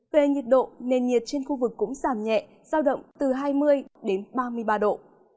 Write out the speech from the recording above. về nhiệt độ nền nhiệt trên khu vực cũng giảm nhẹ giao động từ hai mươi đến ba mươi ba độ